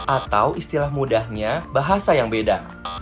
atau istilah mudahnya bahasa yang beda